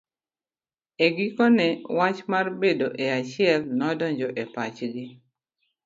E gikone wach mar bedo e achiel nodonjo e pachgi.